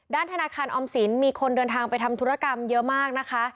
ธนาคารออมสินมีคนเดินทางไปทำธุรกรรมเยอะมากนะคะ